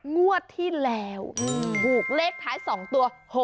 งวดที่แล้วถูกเลขท้าย๒ตัว๖๖